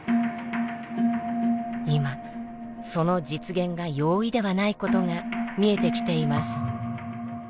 今その実現が容易ではないことが見えてきています。